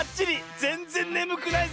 ぜんぜんねむくないぜ！